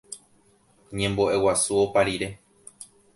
Ñembo'eguasu opa rire